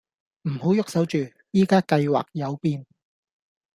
唔好喐手住，宜家計劃有變